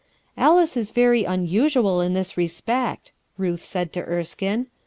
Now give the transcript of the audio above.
"Alice is very unusual in this respect/' Ruth ^j to Erskine.